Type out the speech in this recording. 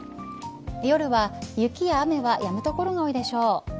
夜は雪や雨がやむ所が多いでしょう。